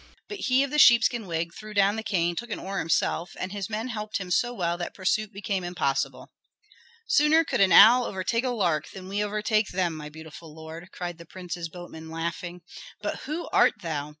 But he of the sheepskin wig threw down the cane, took an oar himself, and his men helped him so well that pursuit became impossible. "Sooner could an owl overtake a lark than we overtake them, my beautiful lord," cried the prince's boatman, laughing. "But who art thou?